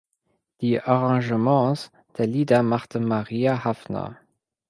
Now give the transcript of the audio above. Die Arrangements der Lieder machte Maria Hafner.